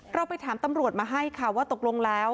เราไปถามตำรวจมาให้ค่ะว่าตกลงแล้ว